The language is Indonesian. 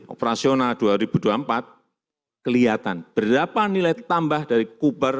operasional dua ribu dua puluh empat kelihatan berapa nilai tambah dari kubar